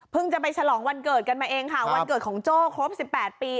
จะไปฉลองวันเกิดกันมาเองค่ะวันเกิดของโจ้ครบ๑๘ปี